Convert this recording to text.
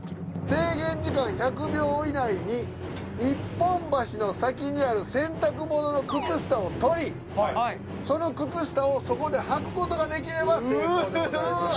制限時間１００秒以内に一本橋の先にある洗濯物の靴下を取りその靴下をそこで履く事ができれば成功でございます。